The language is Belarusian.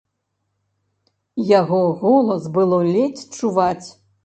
Яго голас было ледзь чуваць.